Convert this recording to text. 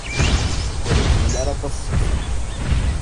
Ur iḥmil ara aṭas seksu.